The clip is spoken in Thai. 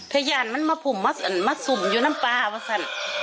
ถ้าย่านมันมาผุ่มมาสุ่มอยู่น้ำปลามาสั่น